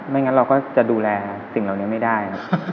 งั้นเราก็จะดูแลสิ่งเหล่านี้ไม่ได้ครับ